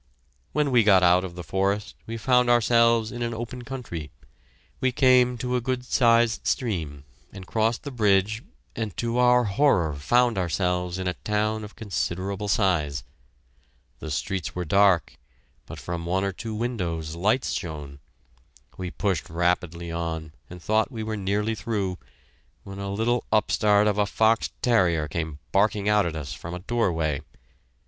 When we got out of the forest we found ourselves in an open country. We came to a good sized stream, and crossed the bridge and to our horror found ourselves in a town of considerable size. The streets were dark, but from one or two windows lights shone. We pushed rapidly on, and thought we were nearly through, when a little upstart of a fox terrier came barking out at us from a doorway.